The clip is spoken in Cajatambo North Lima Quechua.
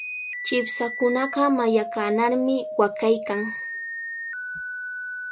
Chipshakunaqa mallaqanarmi waqaykan.